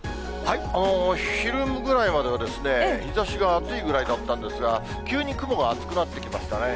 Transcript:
昼ぐらいまでは、日ざしが暑いぐらいだったんですが、急に雲が厚くなってきましたね。